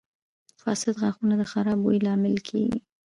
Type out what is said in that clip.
• فاسد غاښونه د خراب بوی لامل کیږي.